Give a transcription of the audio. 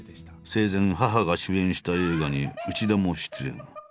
生前母が主演した映画に内田も出演。